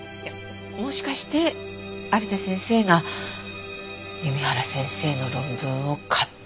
もしかして有田先生が弓原先生の論文を勝手に。